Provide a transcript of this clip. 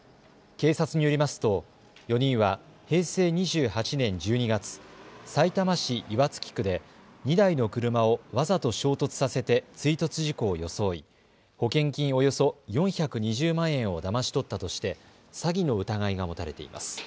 警察によりますと４人は平成２８年１２月、さいたま市岩槻区で２台の車をわざと衝突させて追突事故を装い保険金およそ４２０万円をだまし取ったとして詐欺の疑いが持たれています。